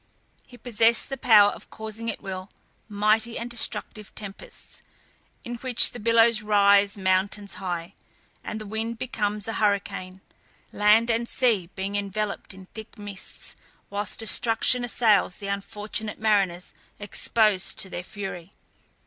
He possessed the power of causing at will, mighty and destructive tempests, in which the billows rise mountains high, the wind becomes a hurricane, land and sea being enveloped in thick mists, whilst destruction assails the unfortunate mariners exposed to their fury.